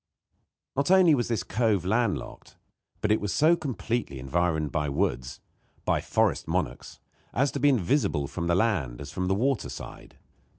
Not only was this cove land locked, but it was so completely environed by woods by forest monarchs as to be as invisible from the land as from the water side.